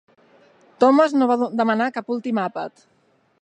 Thomas no va demanar cap últim àpat.